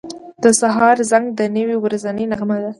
• د سهار زنګ د نوې ورځې نغمه ده.